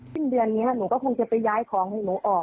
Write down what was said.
สิ้นเดือนนี้หนูก็คงจะไปย้ายของของหนูออก